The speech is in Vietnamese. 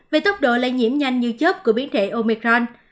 về tốc độ lây nhiễm nhanh như chất của biến thể omicron